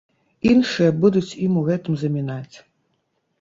Іншыя будуць ім у гэтым замінаць.